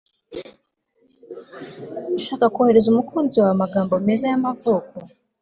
ushaka kohereza umukunzi wawe amagambo meza y'amavuko